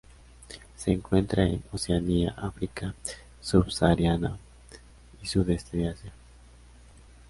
Se encuentra en Oceanía, África subsahariana y sudeste de Asia.